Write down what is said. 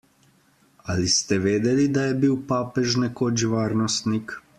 Ali ste vedeli, da bil je papež nekoč varnostnik?